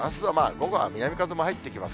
午後は南風も入ってきます。